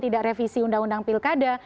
tidak revisi undang undang pilkada